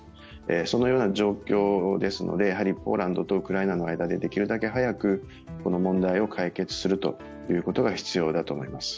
そのような状況ですので、ポーランドとウクライナの間でできるだけ早くこの問題を解決するということが必要だと思います。